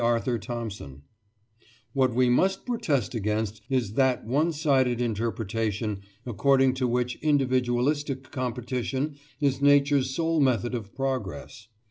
Arthur Thomson: "What we must protest against is that one sided interpretation, according to which individualistic competition is Nature's sole method of progress....